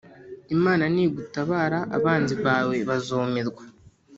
Imana nigutabara abanzi bawe bazumirwa